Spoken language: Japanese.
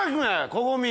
コゴミ。